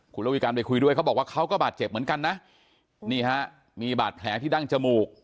คุณระวิการไปคุยด้วยเขาบอกว่าเขาก็บาดเจ็บเหมือนกันนะนี่ฮะมีบาดแผลที่ดั้งจมูก